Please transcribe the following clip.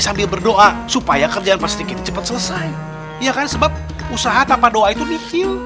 sambil berdoa supaya kerjaan pasti kita cepat selesai yakan sebab usaha tanpa doa itu nipil